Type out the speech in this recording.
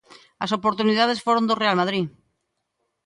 As oportunidades foron do Real Madrid.